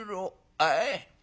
あい。